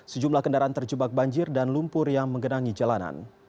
sejumlah kendaraan terjebak banjir dan lumpur yang menggenangi jalanan